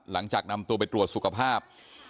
หลังจากนำตัวไปตรวจสุขภาพ